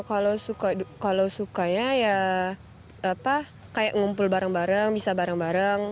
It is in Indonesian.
kalau sukanya ya kayak ngumpul bareng bareng bisa bareng bareng